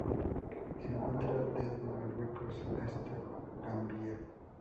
Se encuentra desde Marruecos hasta Gambia.